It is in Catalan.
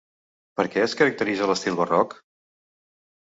Per què es caracteritza l'estil Barroc?